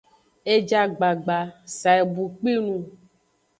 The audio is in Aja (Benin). E ja gbagba, sa e bu kpi nung.